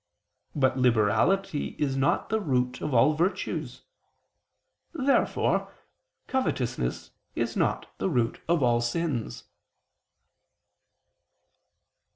But liberality is not the root of all virtues. Therefore covetousness is not the root of all sins.